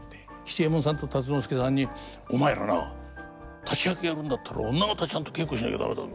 吉右衛門さんと辰之助さんに「お前らな立役やるんだったら女方ちゃんと稽古しなきゃ駄目だぞ。